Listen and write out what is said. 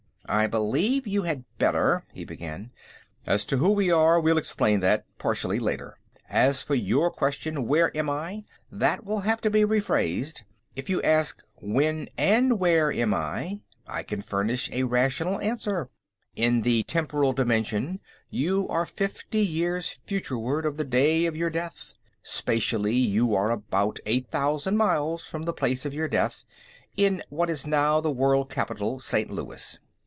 "I believe you had better...." he began. "As to who we are, we'll explain that, partially, later. As for your question, 'Where am I?' that will have to be rephrased. If you ask, 'When and where am I?' I can furnish a rational answer. In the temporal dimension, you are fifty years futureward of the day of your death; spatially, you are about eight thousand miles from the place of your death, in what is now the World Capitol, St. Louis."